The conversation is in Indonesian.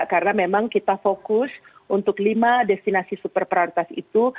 karena memang kita fokus untuk lima destinasi super prioritas itu